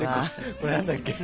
これは何だっけ？